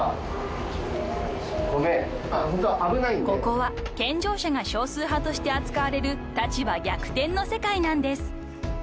［ここは健常者が少数派として扱われる立場逆転の世界なんです］